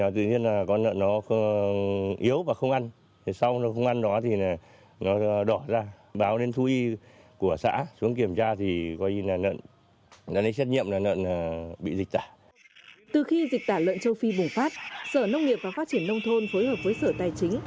từ khi dịch tả lợn châu phi bùng phát sở nông nghiệp và phát triển nông thôn phối hợp với sở tài chính